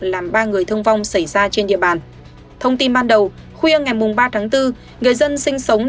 làm ba người thương vong xảy ra trên địa bàn thông tin ban đầu khuya ngày ba tháng bốn người dân sinh sống